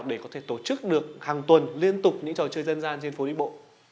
để có thể tổ chức được hàng tuần liên tục những trò chơi dân gian trên phố đi bộ